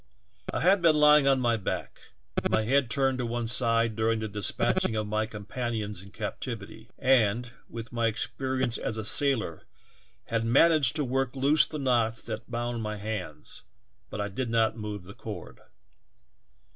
"I had been lying on my back, with my head turned to one side during the despatching of my companions in captivity, and, with my experience as a sailor, had managed to work loose the knots that bound m}^ hands, but I did not move the cord.